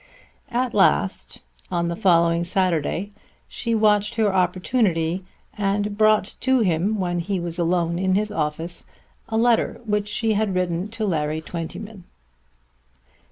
At last, on the following Saturday she watched her opportunity and brought to him when he was alone in his office a letter which she had written to Larry Twentyman.